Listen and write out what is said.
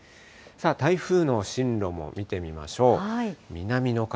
台風の進路も見てみましょう。